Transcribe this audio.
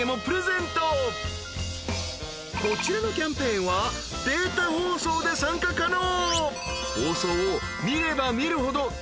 ［こちらのキャンペーンはデータ放送で参加可能］